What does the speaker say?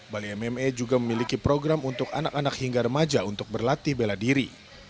bali mma juga memiliki program untuk anak anak hingga remaja untuk berlatih bela diri